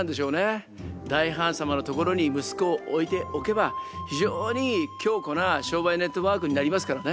大ハーン様のところに息子を置いておけば非常に強固な商売ネットワークになりますからね。